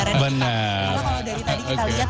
karena kalau dari tadi kita lihat